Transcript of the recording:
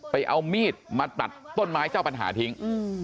ไปเอามีดมาตัดต้นไม้เจ้าปัญหาทิ้ง